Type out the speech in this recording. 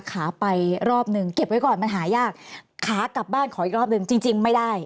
ขาไปรอบหนึ่งเก็บไว้ก่อนมันหายากขากลับบ้านขออีกรอบหนึ่งจริงไม่ได้